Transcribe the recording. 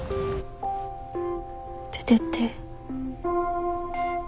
出てって。